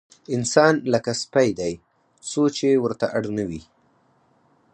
انسان لکه سپی دی، څو چې ورته اړ نه وي.